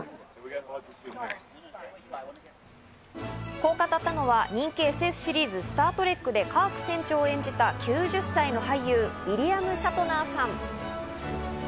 こう語ったのは、人気ＳＦシリーズ『スター・トレック』でカーク船長を演じた９０歳の俳優、ウィリアム・シャトナーさん。